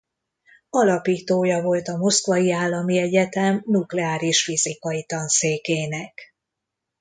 Alapítója volt a Moszkvai Állami Egyetem Nukleáris Fizikai Tanszékének.